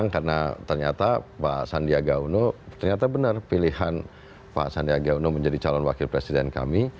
karena ternyata pak sandiaga uno ternyata benar pilihan pak sandiaga uno menjadi calon wakil presiden kami